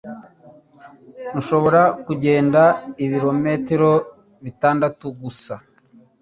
Nshobora kugenda ibirometero bitatu gusa.